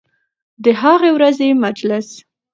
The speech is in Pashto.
د هغې ورځې مجلس